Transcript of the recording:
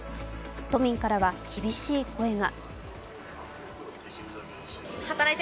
都民からは厳しい声が。